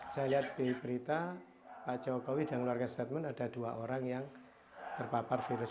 saya lihat di berita pak jokowi dan keluarga statement ada dua orang yang terpapar virus